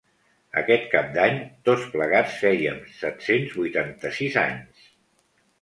Aquest cap d’any, tots plegats feim set-cents vuitanta-sis anys.